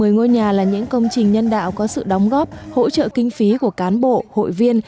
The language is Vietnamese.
một mươi ngôi nhà là những công trình nhân đạo có sự đóng góp hỗ trợ kinh phí của cán bộ hội viên